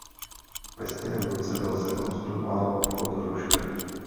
Ve stejném roce byl zrekonstruován obchod Hruška.